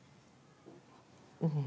うん。